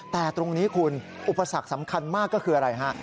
แต่ตรงนี้คุณอุปสรรคสำคัญมากก็คืออะไรฮะ